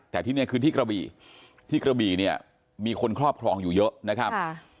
แต่ที่นี่คือที่กระบี่ที่กระบี่เนี่ยมีคนครอบครองอยู่เยอะนะครับ